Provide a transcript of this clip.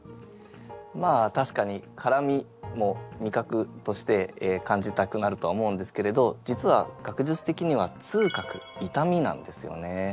まあたしかに辛味も味覚として感じたくなるとは思うんですけれど実は学術的には痛覚痛みなんですよね。